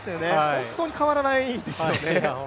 本当に変わらないですよね。